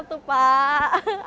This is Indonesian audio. aku baru anak baru nih